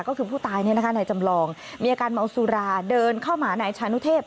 ก็คือผู้ตายนายจำลองมีอาการเมาสุราเดินเข้ามานายชานุเทพ